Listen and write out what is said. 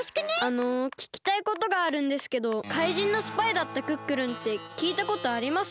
あのききたいことがあるんですけど怪人のスパイだったクックルンってきいたことあります？